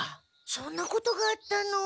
そんなことがあったの。